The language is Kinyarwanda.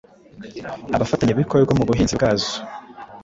abafatanyabikorwa mu buhinzi bwazo.